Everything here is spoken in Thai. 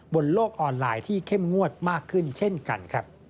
บนโลกออนไลน์ที่เข้มงวดมากขึ้นเช่นกันครับ